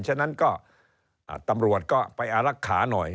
ฉะนั้นก็ตำรวจก็ไปอารักษาหน่อย